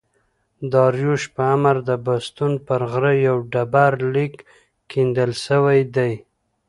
داریوش په امر د بستون پر غره یو ډبر لیک کیندل سوی دﺉ.